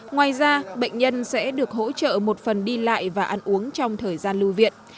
ngoài ra bệnh nhân sẽ được hỗ trợ một phần đi lại và ăn uống trong thời gian lưu viện